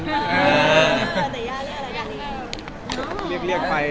แต่แย่เลี่ยงอะไร